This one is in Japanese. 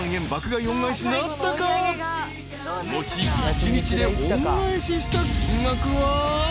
［この日一日で恩返しした金額は］